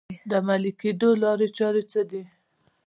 د عملي کېدو لارې چارې یې څه دي؟